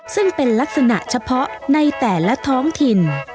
ซึ่งเป็นลักษณะเฉพาะในแต่ละท้องถิ่น